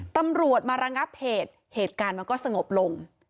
ตำรวจมาระงับเหตุเหตุการณ์มันก็สงบลง